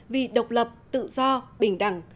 vì độc lập tự do bình đẳng